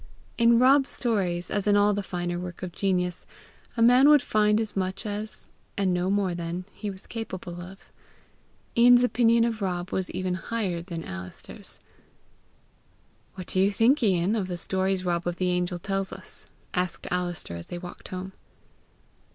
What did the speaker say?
In Rob's stories, as in all the finer work of genius, a man would find as much as, and no more than, he was capable of. Ian's opinion of Rob was even higher than Alister's. "What do you think, Ian, of the stories Rob of the Angels tells?" asked Alister, as they walked home.